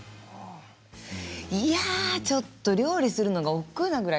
いやあ、ちょっと料理するのがおっくうなぐらい。